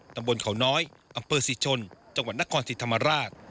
ตำบลเขาน้อยอำเภอศิชย์ชนจังหวัดนครสิทธิ์ธรรมราช